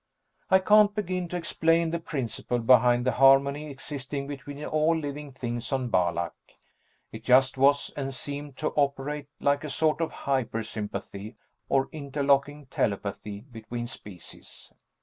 I can't begin to explain the principle behind the harmony existing between all living things on Balak; it just was, and seemed to operate like a sort of hyper sympathy or interlocking telepathy between species.